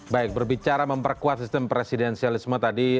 baik berbicara memperkuat sistem presidensialisme tadi